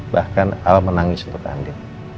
bahkan al menangis untuk tanding